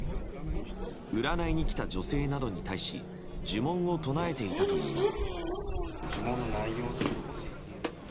占いに来た女性などに対し呪文を唱えていたといいます。